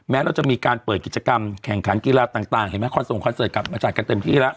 เราจะมีการเปิดกิจกรรมแข่งขันกีฬาต่างเห็นไหมคอนส่งคอนเสิร์ตกลับมาจัดกันเต็มที่แล้ว